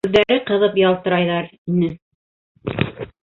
— Уның күҙҙәре ҡыҙып ялтырайҙар ине.